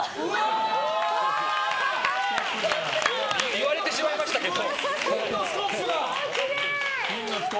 言われてしまいましたけど。